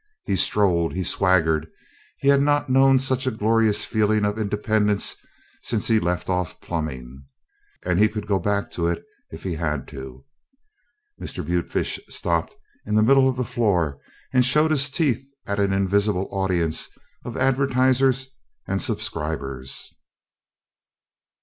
He strode, he swaggered he had not known such a glorious feeling of independence since he left off plumbing. And he could go back to it if he had to! Mr. Butefish stopped in the middle of the floor and showed his teeth at an invisible audience of advertisers and subscribers.